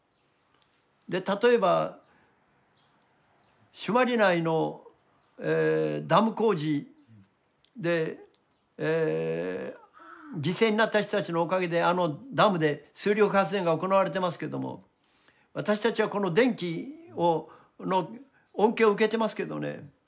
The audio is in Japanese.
例えば朱鞠内のダム工事で犠牲になった人たちのおかげであのダムで水力発電が行われてますけども私たちはこの電気の恩恵を受けてますけれどね